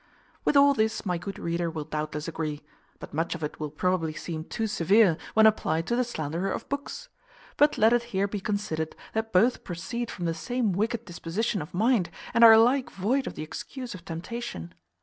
With all this my good reader will doubtless agree; but much of it will probably seem too severe, when applied to the slanderer of books. But let it here be considered that both proceed from the same wicked disposition of mind, and are alike void of the excuse of temptation.